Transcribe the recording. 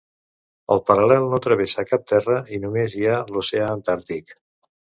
El paral·lel no travessa cap terra i només hi ha l'Oceà Antàrtic.